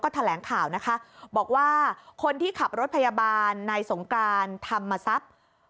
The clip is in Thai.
แถลงข่าวนะคะบอกว่าคนที่ขับรถพยาบาลนายสงการธรรมทรัพย์